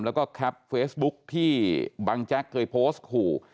แล้วก็แคปเฟซบุ๊คที่บังแจ๊กเคยโพสต์ขู่